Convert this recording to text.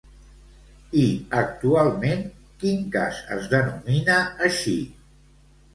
I actualment, quin cas es denomina així?